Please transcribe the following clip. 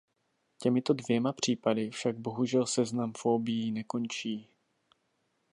Těmito dvěma případy však bohužel seznam fobií nekončí.